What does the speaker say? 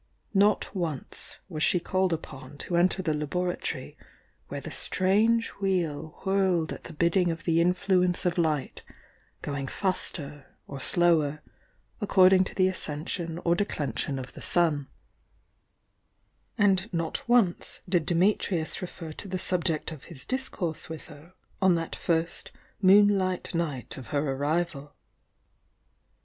Not once waa she called upon to enter the laboratory where the strange wheel whirled at the bidding of the influ ence of light, going faster or slower, according to the ascension or declension of the sun; and not once did Dimitrius refer to the subject of his discourse with her on that first moonlight night of her arrival.